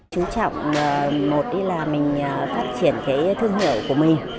chú trọng một là mình phát triển cái thương hiệu của mình